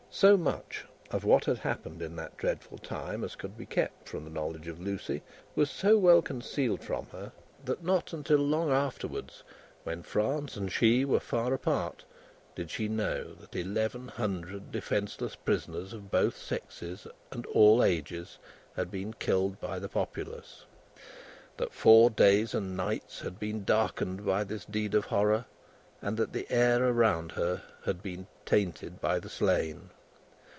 So much of what had happened in that dreadful time as could be kept from the knowledge of Lucie was so well concealed from her, that not until long afterwards, when France and she were far apart, did she know that eleven hundred defenceless prisoners of both sexes and all ages had been killed by the populace; that four days and nights had been darkened by this deed of horror; and that the air around her had been tainted by the slain.